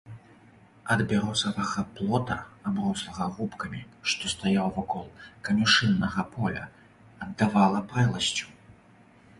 Ад бярозавага плота, аброслага губкамі, што стаяў вакол канюшыннага поля, аддавала прэласцю.